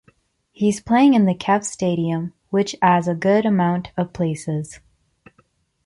He’s playing in the Kef stadium which as a good amount of places.